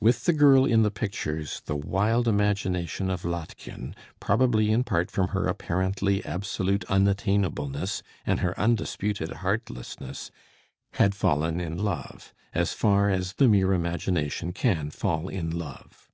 With the girl in the pictures, the wild imagination of Lottchen, probably in part from her apparently absolute unattainableness and her undisputed heartlessness, had fallen in love, as far as the mere imagination can fall in love.